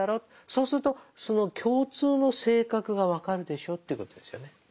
そうするとその共通の性格が分かるでしょということですよね。